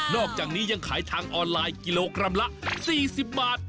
อกจากนี้ยังขายทางออนไลน์กิโลกรัมละ๔๐บาท